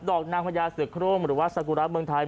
ดอกนางพยาสิทธิ์โครมหรือว่าซากุระเบืองไทย